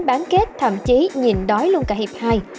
bán kết thậm chí nhìn đói luôn cả hiệp hai